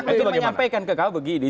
pak lanak menyampaikan ke kpu begini